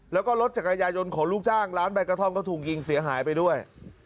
แล้วก็รถจักรยายนของลูกจ้างร้านใบกระท่อมก็ถูกยิงเสียหายไปด้วย